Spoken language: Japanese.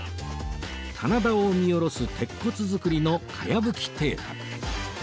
棚田を見下ろす鉄骨造の茅葺邸宅